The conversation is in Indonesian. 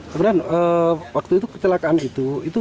sebenarnya waktu itu kecelakaan itu